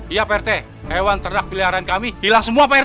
iya pak rt hewan ternak piliharan kami hilang semua pak rt